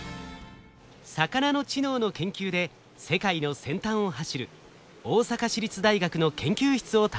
魚の知能の研究で世界の先端を走る大阪市立大学の研究室を訪ねました。